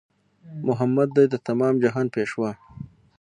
محمد دی د تمام جهان پېشوا